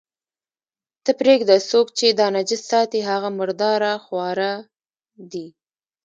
ته پرېږده، څوک چې دا نجس ساتي، هغه مرداره خواره دي.